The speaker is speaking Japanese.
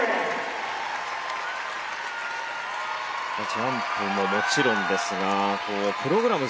ジャンプももちろんですがプログラム